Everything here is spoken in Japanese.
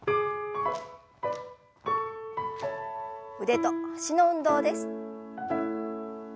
腕と脚の運動です。